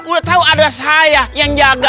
udah tahu ada saya yang jaga